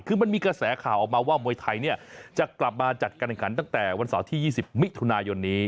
คือมันมีกระแสข่าวออกมาว่ามวยไทยเนี่ยจะกลับมาจัดการแข่งขันตั้งแต่วันเสาร์ที่๒๐มิถุนายนนี้